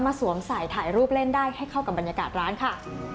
สวมใส่ถ่ายรูปเล่นได้ให้เข้ากับบรรยากาศร้านค่ะ